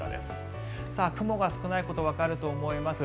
雲が少ないことわかると思います。